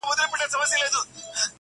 د هوسیو د سویانو د پسونو -